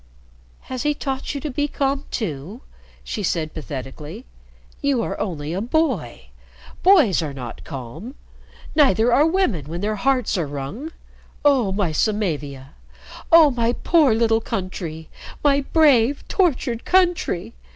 "Has he taught you to be calm too?" she said pathetically. "You are only a boy. Boys are not calm. Neither are women when their hearts are wrung. Oh, my Samavia! Oh, my poor little country! My brave, tortured country!"